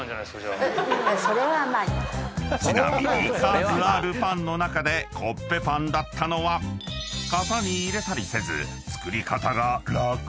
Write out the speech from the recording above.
［ちなみに数あるパンの中でコッペパンだったのは型に入れたりせず］